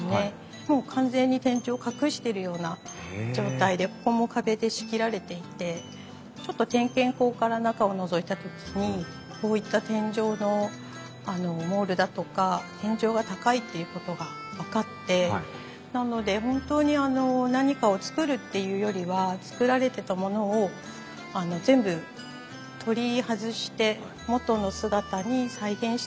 もう完全に天井を隠してるような状態でここも壁で仕切られていてちょっと点検口から中をのぞいた時にこういった天井のモールだとか天井が高いっていうことが分かってなので本当にあの何かを造るっていうよりは造られてたものを全部取り外して元の姿に再現したっていう感じです。